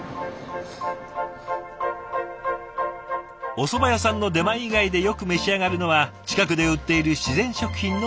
おそば屋さんの出前以外でよく召し上がるのは近くで売っている自然食品のお弁当。